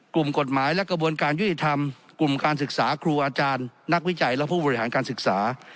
กลุ่มกฎหมายและกระบวนการยุติธรรมกลุ่มการศึกษาครูอาจารย์นักวิจัยและผู้บริหารการศึกษา